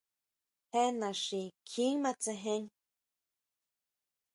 Jé naxi kjin matsejen.